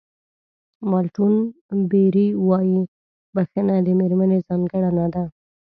مالټون بېري وایي بښنه د مېرمنې ځانګړنه ده.